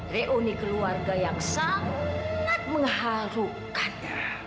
reuni keluarga yang sangat mengharukan